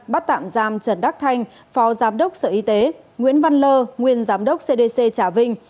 bắt tạm giam trần đắc thanh phó giám đốc sở y tế nguyễn văn lơ nguyên giám đốc cdc trà vinh